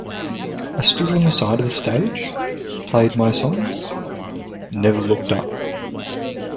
I stood on the side of the stage, played my songs, never looked up.